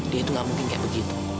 dia itu gak mungkin kayak begitu